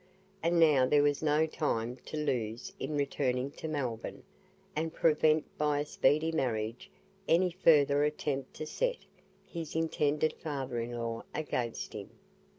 And now there was no time to lose in returning to Melbourne, and prevent by a speedy marriage any further attempt to set his intended father in law against him.